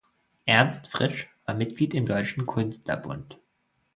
Ernst Fritsch war Mitglied im Deutschen Künstlerbund.